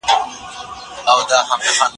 پدې سورت او قصه کي د توحيد بحث سته.